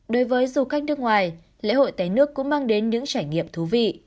đối với du khách nước ngoài lễ hội té nước cũng mang đến những trải nghiệm thú vị